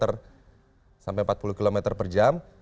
sampai empat puluh km per jam